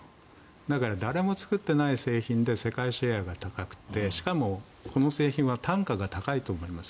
だから、誰も作っていない製品で世界シェアが高くてしかもこの製品は単価が高いと思います。